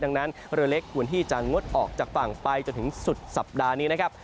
ดังนั้นเรือเล็กควรที่จะงดออกจากฝั่งไปจนถึงสุดสัปดาห์นี้นะครับ